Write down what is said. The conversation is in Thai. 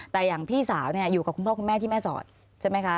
แต่อย่างพี่สาวอยู่กับคุณพ่อคุณแม่ที่แม่สอดใช่ไหมคะ